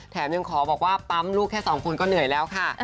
แถมยังขอบอกว่าปั๊มลูกแค่สองคนก็เหนื่อยแล้วค่ะ